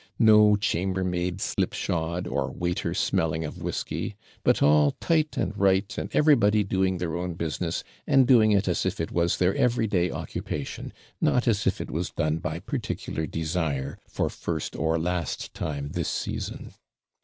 No chambermaid slipshod, or waiter smelling of whisky; but all tight and right, and everybody doing their own business, and doing it as if it was their everyday occupation, not as if it was done by particular desire, for first or last time this season.